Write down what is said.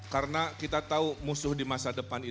karena kita tahu musuh di masa depan itu adalah jawa barat